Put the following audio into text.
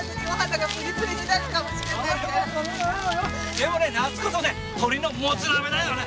でもね夏こそね鶏のモツ鍋だよね。